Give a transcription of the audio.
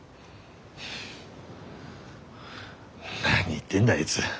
何言ってんだあいづ。